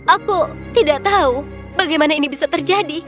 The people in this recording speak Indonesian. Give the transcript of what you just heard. aku tidak tahu bagaimana ini bisa terjadi